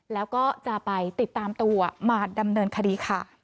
แล้วก็จะไปติดตามตัวมาดำเนินคดีค่ะ